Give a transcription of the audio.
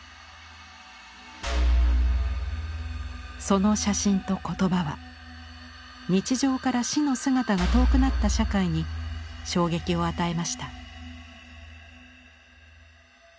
その写真と言葉は日常から「死」の姿が遠くなった社会に衝撃を与えました。